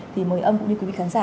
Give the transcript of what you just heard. thì mời ông cũng như quý vị khán giả